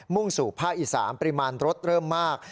่งสู่ภาคอีสานปริมาณรถเริ่มมาก